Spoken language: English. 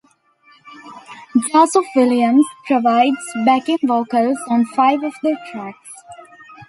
Joseph Williams provides backing vocals on five of the tracks.